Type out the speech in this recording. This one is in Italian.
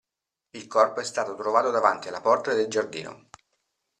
Il corpo è stato trovato davanti alla porta del giardino.